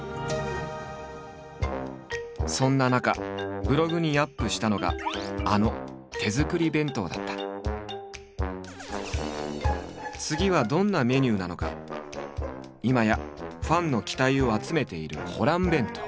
そんな中ブログにアップしたのがあの次はどんなメニューなのか今やファンの期待を集めているホラン弁当。